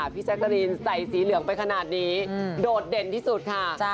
พี่แจ๊กกะรีนใส่สีเหลืองไปขนาดนี้โดดเด่นที่สุดค่ะ